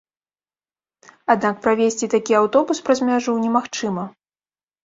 Аднак правезці такі аўтобус праз мяжу немагчыма.